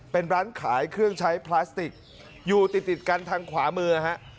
เป็นร้านขายเครื่องใช้พลาสติกอยู่ติดติดกันทางขวามือฮะ